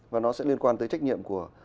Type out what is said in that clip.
và nó sẽ liên quan tới trách nhiệm của